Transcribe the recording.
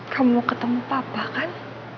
kamu ketemu papa kan